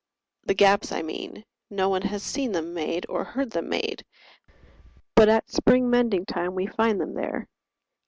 The gaps I mean, No one has seen them made or heard them made, But at spring mending time we find them there.